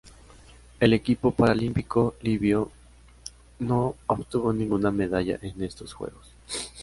El equipo paralímpico libio no obtuvo ninguna medalla en estos Juegos.